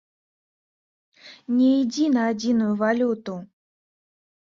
Не ідзі на адзіную валюту!